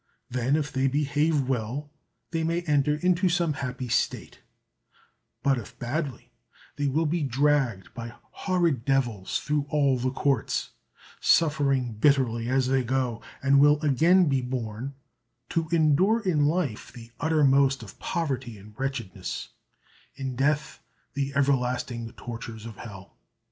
Then, if they behave well they may enter into some happy state; but if badly, they will be dragged by horrid devils through all the Courts, suffering bitterly as they go, and will again be born, to endure in life the uttermost of poverty and wretchedness, in death the everlasting tortures of hell.